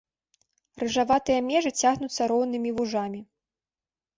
Рыжаватыя межы цягнуцца роўнымі вужамі.